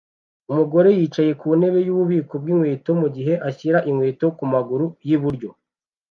Umugore yicaye ku ntebe yububiko bwinkweto mugihe ashyira inkweto kumaguru yiburyo